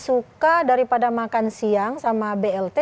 suka daripada makan siang sama blt